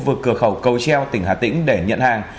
tại khu vực cửa khẩu cầu treo tỉnh hà tĩnh để nhận hàng